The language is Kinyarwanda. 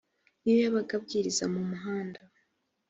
iyo yabaga abwiriza mu muhanda